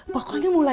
dan nur juga